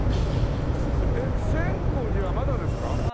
えっ千光寺はまだですか？